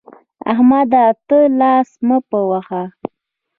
احمده! ته لاس مه په وهه.